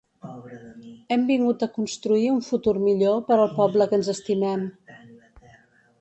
Hem vingut a construir un futur millor per al poble que ens estimem.